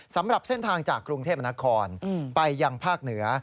สำหรับเส้นทางจากกรุงเทพนครไปยังภาคเหนือ